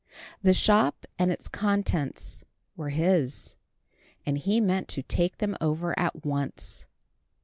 The shop and its contents were his, and he meant to take them over at once.